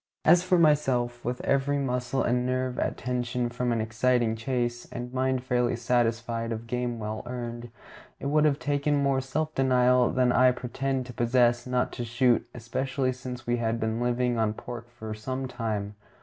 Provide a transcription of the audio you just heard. As for myself, with every muscle and nerve at tension from an exciting chase, and mind fairly satisfied of game well earned, it would have taken more self denial than I pretend to possess not to shoot, especially since we had been living on pork for some time.